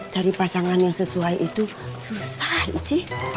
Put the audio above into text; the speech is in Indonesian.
cari pasangan yang sesuai itu susah itu